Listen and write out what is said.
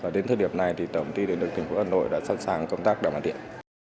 đến thời điểm này tổng ti điện lực tp hà nội đã sẵn sàng công tác đảm bảo điện